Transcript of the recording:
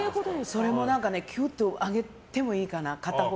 それもキュッと上げてもいいかな。